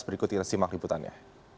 berikut kita simak liputannya